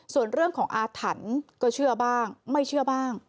ส่วนเรื่องของอาถรรพ์ก็เชื่อบ้างไม่เชื่อบ้าง